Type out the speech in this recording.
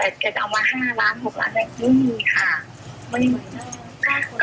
แต่เอามา๕๖ล้านไม่มีค่ะ